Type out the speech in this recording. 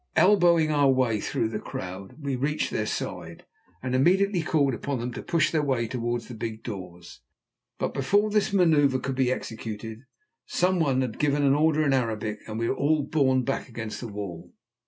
Elbowing our way through the crowd, we reached their side, and immediately called upon them to push their way towards the big doors; but before this man[oe]uvre could be executed, some one had given an order in Arabic, and we were all borne back against the wall.